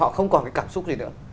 không còn cái cảm xúc gì nữa